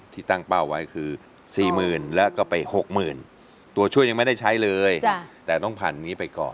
ที่ตั้งเป้าไว้คือ๔๐๐๐แล้วก็ไป๖๐๐๐ตัวช่วยยังไม่ได้ใช้เลยแต่ต้องผ่านนี้ไปก่อน